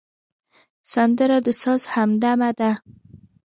سندره د ساز همدمه ده